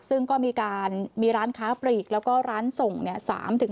ซึ่งก็มีร้านค้าปลีกแล้วก็ร้านส่ง๓๕ร้าน